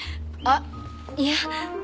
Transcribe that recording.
あっいや。